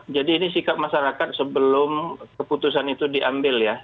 jadi ini sikap masyarakat sebelum keputusan itu diambil ya